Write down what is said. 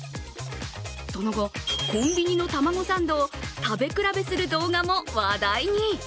その後、コンビニのタマゴサンドを食べ比べする動画も話題に。